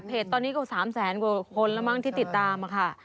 ตอนนี้ก็๓แสนกว่าคนแล้วมั้งที่ติดตามค่ะ